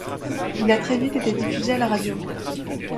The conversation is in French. Il a très vite été diffusé à la radio.